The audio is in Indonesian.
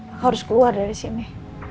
mereka harus keluar dari sini